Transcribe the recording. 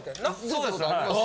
そうですねあります。